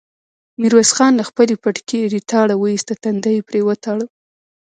ميرويس خان له خپل پټکي ريتاړه واېسته، تندی يې پرې وتاړه.